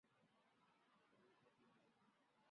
他的父亲是二战老兵。